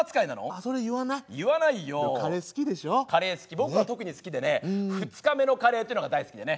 僕は特に好きでね２日目のカレーっていうのが大好きでね。